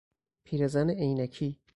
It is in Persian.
پیرزن عینکی